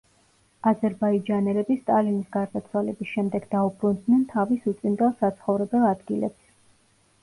აზერბაიჯანელები სტალინის გარდაცვალების შემდეგ დაუბრუნდნენ თავის უწინდელ საცხოვრებელ ადგილებს.